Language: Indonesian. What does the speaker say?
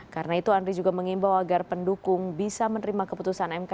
karena itu andri juga mengimbau agar pendukung bisa menerima keputusan mk